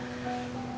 ini yang tadi